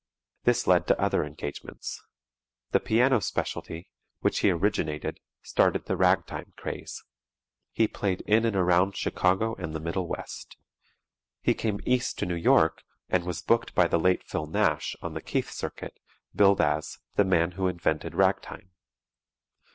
This led to other engagements. The "piano specialty," which he originated, started the "ragtime" craze. He played in and around Chicago and the middle west. He came East to New York, and was booked by the late Phil Nash, on the Keith Circuit, billed as "The Man Who Invented Ragtime."